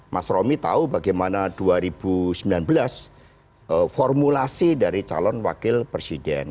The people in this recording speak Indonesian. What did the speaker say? mas romi tahu bagaimana dua ribu sembilan belas formulasi dari calon wakil presiden